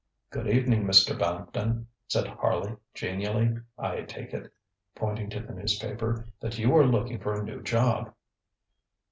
ŌĆ£Good evening, Mr. Bampton, ŌĆØ said Harley genially. ŌĆ£I take itŌĆØ pointing to the newspaper ŌĆ£that you are looking for a new job?